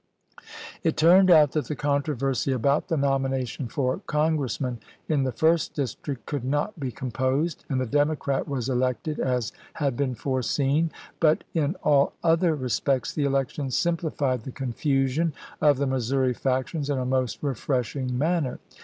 It turned out that the controversy about the nomination for Congressman in the first district could not be composed, and the Democrat was elected as had been foreseen; but in all other re spects the election simplified the confusion of the Missouri factions in a most refreshing manner.